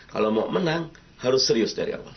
kalau mau menang harus serius dari awal